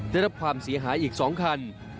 ได้รับความเสียหายอีก๒คัน